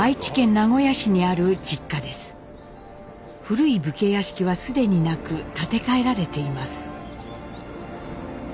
古い武家屋敷は既になく建て替えられています。